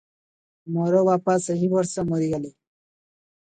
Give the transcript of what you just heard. ମୋର ବାପା ସେହିବର୍ଷ ମରିଗଲେ ।